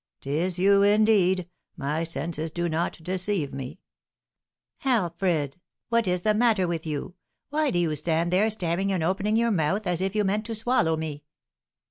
"'Tis you, indeed! My senses do not deceive me!" "Alfred, what is the matter with you? Why do you stand there, staring and opening your mouth, as if you meant to swallow me?"